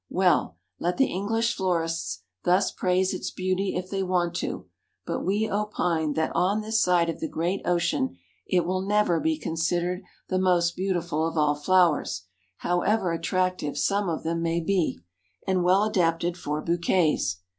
Well, let the English florists thus praise its beauty if they want to, but we opine that on this side of the great ocean it will never be considered "the most beautiful of all flowers," however attractive some of them may be, and well adapted for bouquets.